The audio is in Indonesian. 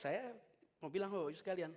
saya mau bilang ke bapak bapak sekalian